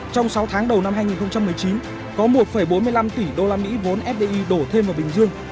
trong sáu tháng đầu năm hai nghìn một mươi chín có một bốn mươi năm tỷ đô la mỹ vốn fdi đổ thêm vào bình dương